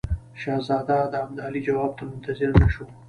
شهزاده د ابدالي جواب ته منتظر نه شو.